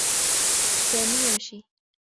سامي يمشي.